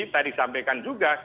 tadi sampaikan juga